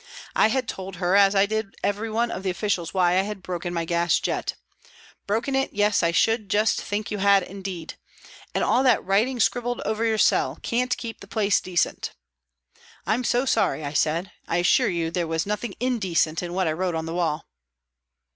I had told her, as I did every one of the officials, why I had broken my gas jet. " Broken it, yes, I should just think you had, indeed. And all that writing scribbled over your cell ; can't keep the place decent." " I'm so sorry," I said ;" I assure you there was nothing indecent in what I wrote on the wall."